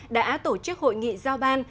đã tổ chức hội nghị giao ban